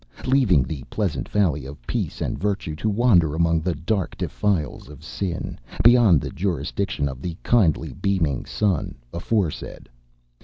leaving the pleasant valley of Peace and Virtue to wander among the dark defiles of Sin, beyond the jurisdiction of the kindly beaming sun aforesaid!